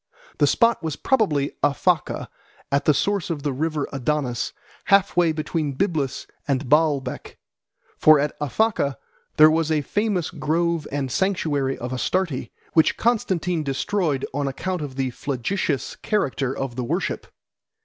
The spot was probably Aphaca, at the source of the river Adonis, half way between Byblus and Baalbec; for at Aphaca there was a famous grove and sanctuary of Astarte which Constantine destroyed on account of the flagitious character of the worship.